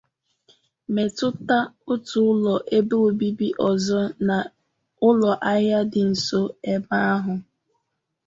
metụta otu ụlọ ebe obibi ọzọ na ụlọ ahịa dị nso n'ebe ahụ